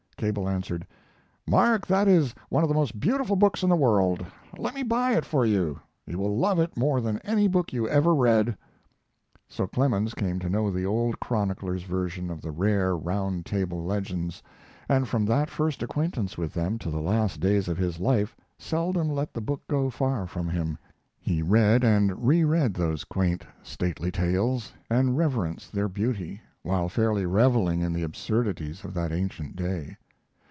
Cable answered: "Mark, that is one of the most beautiful books in the world. Let me buy it for you. You will love it more than any book you ever read." So Clemens came to know the old chronicler's version of the rare Round Table legends, and from that first acquaintance with them to the last days of his life seldom let the book go far from him. He read and reread those quaint, stately tales and reverenced their beauty, while fairly reveling in the absurdities of that ancient day.